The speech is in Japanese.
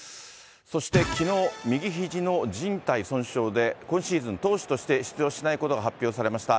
そしてきのう、右ひじのじん帯損傷で今シーズン、投手として出場しないことが発表されました